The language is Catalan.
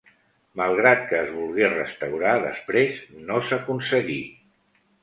Malgrat que es volgué restaurar després, no s'aconseguí.